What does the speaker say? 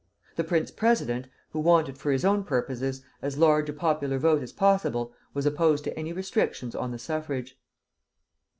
The prince president, who wanted, for his own purposes, as large a popular vote as possible, was opposed to any restrictions on the suffrage.